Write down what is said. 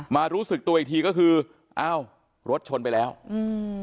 รู้สึกตัวอีกทีก็คืออ้าวรถชนไปแล้วอืม